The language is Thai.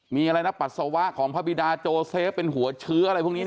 มีอะไรนะปัสสาวะของพระบิดาโจเซฟเป็นหัวเชื้ออะไรพวกนี้